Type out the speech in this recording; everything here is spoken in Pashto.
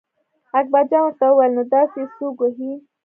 اکبرجان ورته وویل نو داسې یې څوک وهي.